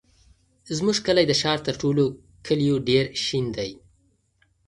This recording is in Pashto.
زموږ کلی د ښار تر ټولو کلیو ډېر شین دی.